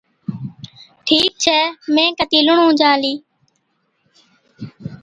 ٺيڪ ڇي۔ مين ڪتِي لُڻُون جان ھُلِي.